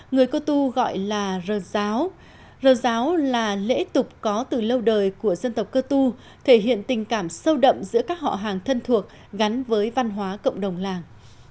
người cơ tu gọi là ráo ráo là lễ tục có từ lâu đời của dân tộc cơ tu thể hiện tình cảm sâu đậm giữa các họ hàng thân thuộc gắn với văn hóa cộng đồng làng